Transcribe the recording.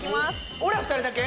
俺ら２人だけ？